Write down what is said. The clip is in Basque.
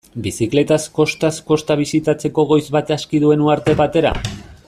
Bizikletaz kostaz-kosta bisitatzeko goiz bat aski duen uharte batera?